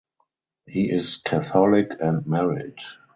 He is catholic and married.